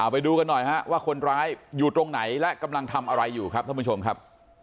ไปดูกันหน่อยฮะว่าคนร้ายอยู่ตรงไหนและกำลังทำอะไรอยู่ครับท่านผู้ชมครับ